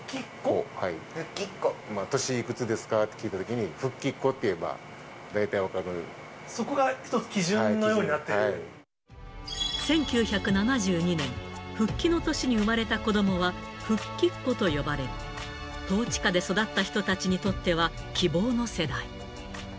年いくつですか？って聞いたときに、そこが一つ、基準のようにな１９７２年、復帰の年に生まれた子どもは復帰っ子と呼ばれ、統治下で育った人たちにとっては、希望の世代。